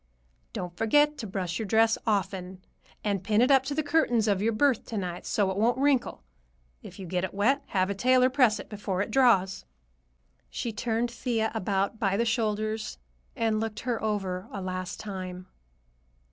"Don't forget to brush your dress often, and pin it up to the curtains of your berth to night, so it won't wrinkle. If you get it wet, have a tailor press it before it draws." She turned Thea about by the shoulders and looked her over a last time.